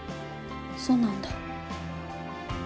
そうなんだ。